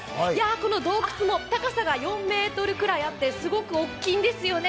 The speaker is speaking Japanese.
この洞窟も高さが４ｍくらいあって、すごく大きいんですよね。